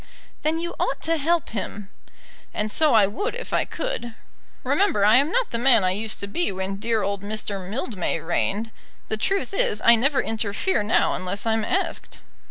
"Then you ought to help him." "And so I would if I could. Remember I am not the man I used to be when dear old Mr. Mildmay reigned. The truth is, I never interfere now unless I'm asked."